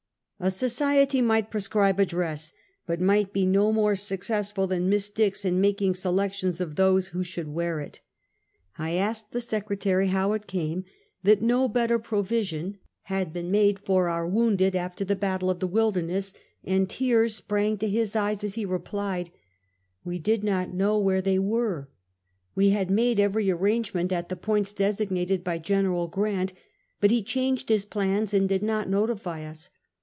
A society might prescribe a dress, but might be no more successful than Miss Dix in making selections of those who should wear it. I asked the Secretary how it came that no better Try to get up a SociETr and get Sick. 355 jH'ovision had been made for our wounded after the battle of the "Wilderness, and tears sprang to his ejes as he replied: " We did not know where they were. We had made every arrangement at the points designated by Gen. Grant, but he changed his plans and did not notify' us.